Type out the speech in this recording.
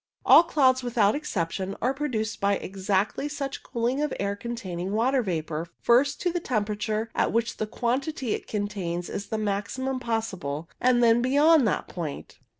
All clouds, without exception, are produced by exactly such cooling of air containing water vapour, first to the temperature at which the quantity it contains is the maximum possible, and then beyond that point.